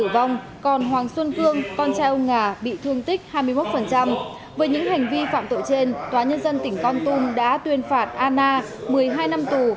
với những hành vi phạm tội trên tòa nhân dân tỉnh con tum đã tuyên phạt anna một mươi hai năm tù